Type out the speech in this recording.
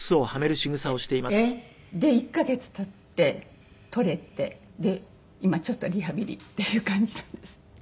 えっ！で１カ月経って取れて今ちょっとリハビリっていう感じなんです。